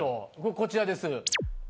こちらです。